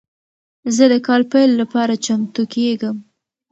زه د کال پیل لپاره چمتو کیږم.